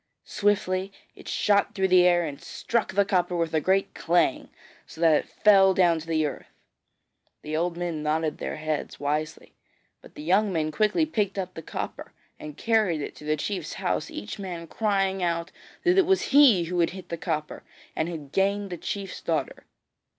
Swiftly it shot through the air and struck the copper with a great clang, so that it fell down to the earth. The old men nodded their heads wisely, but the young men quickly picked up the copper and carried it into the chief's house, each man crying out that it was he who had hit the copper and had gained the chief's daughter.